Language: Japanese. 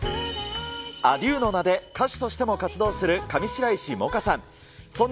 ａｄｉｅｕの名で歌手としても活動する上白石萌歌さん。